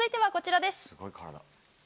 すごい体。